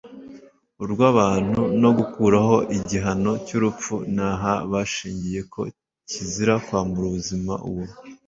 urw'abantu ; no gukuraho igihano cy'urupfu ni aha bashingiye ; ko kizira kwambura ubuzima uwo